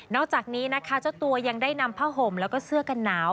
อกจากนี้นะคะเจ้าตัวยังได้นำผ้าห่มแล้วก็เสื้อกันหนาว